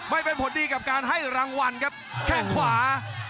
ไม่เป็นผลดีกับการให้รางวัลครับแข้งขวา